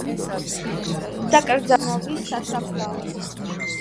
დაკრძალულია სერაფიმოვის სასაფლაოზე.